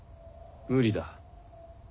無理だ。